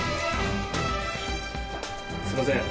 すいません。